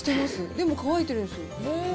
でも乾いてるんですよ。